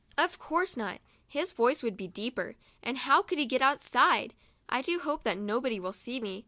Of course not; his voice would be deeper, and how could he get outside? I do hope that nobody will see me.